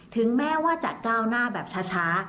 ถึงแม้ว่าจะก้าวหน้าแบบช้า